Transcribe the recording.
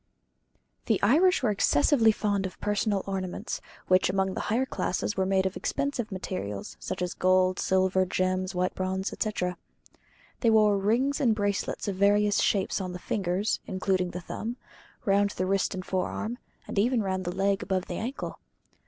The Irish were excessively fond of personal ornaments, which among the higher classes were made of expensive materials, such as gold, silver, gems, white bronze, etc. They wore rings and bracelets of various shapes on the fingers (including the thumb), round the wrist and forearm, and even round the leg above the ankle.